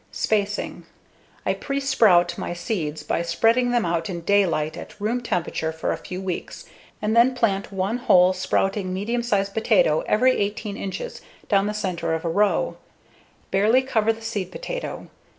Spacing: I presprout my seeds by spreading them out in daylight at room temperature for a few weeks, and then plant one whole, sprouting, medium size potato every 18 inches down the center of the row. Barely cover the seed potato.